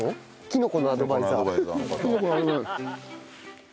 キノコのアドバイザーの方。